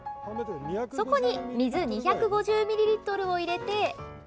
そこに水２５０ミリリットルを入れて。